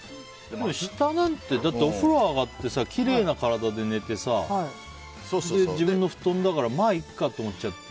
下なんてお風呂上がってきれいな体で寝てさ自分の布団だからまあいっかって思っちゃって。